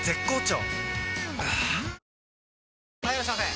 はぁ・はいいらっしゃいませ！